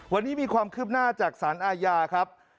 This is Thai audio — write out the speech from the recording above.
วันนี้มีความคืบหน้าจากสารอาญาครับ